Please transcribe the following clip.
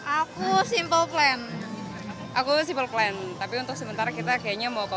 aku simple plan aku simple plan tapi untuk sementara kita kayaknya mau ke